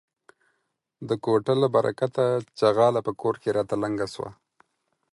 د کوټه له برکته ،چغاله په کور کې راته لنگه سوه.